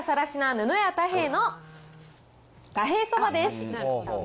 布屋太兵衛の太兵衛そばです。